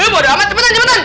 bodoh amat cepetan cepetan